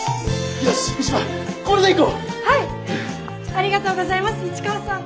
ありがとうございます市川さん。